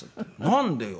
「なんでよ？